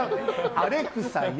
アレクサや！